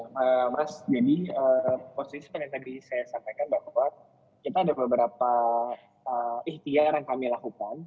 mas jadi posisi penyelidikan saya sampaikan bahwa kita ada beberapa ikhtiar yang kami lakukan